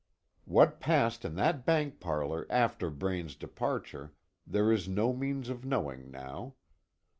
What passed in that bank parlor after Braine's departure, there is no means of knowing now.